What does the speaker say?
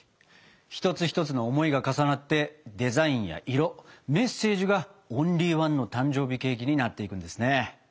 一つ一つの思いが重なってデザインや色メッセージがオンリーワンの誕生日ケーキになっていくんですね。